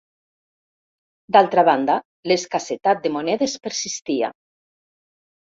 D'altra banda, l'escassetat de monedes persistia.